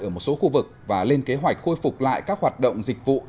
ở một số khu vực và lên kế hoạch khôi phục lại các hoạt động dịch vụ